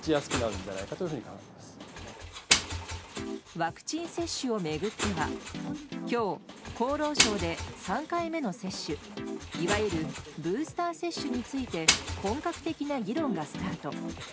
ワクチン接種を巡っては今日、厚労省で３回目の接種いわゆるブースター接種について本格的な議論がスタート。